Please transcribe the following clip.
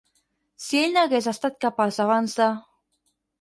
Si ell n'hagués estat capaç abans de.